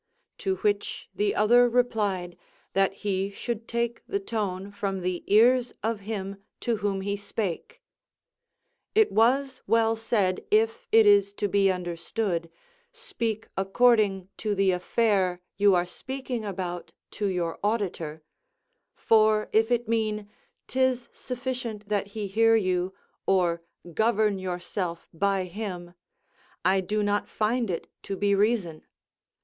To which the other replied, "That he should take the tone from the ears of him to whom he spake." It was well said, if it is to be understood: "Speak according to the affair you are speaking about to your auditor," for if it mean, "'tis sufficient that he hear you, or govern yourself by him," I do not find it to be reason.